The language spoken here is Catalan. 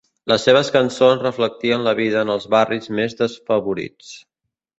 Les seves cançons reflectien la vida en els barris més desfavorits.